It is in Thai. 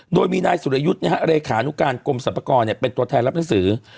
โดยมีนายสุรยุทธ์เนี่ยฮะเรขานุการกลมสรรพกรเนี่ยเป็นตัวแทนรับหนังสือ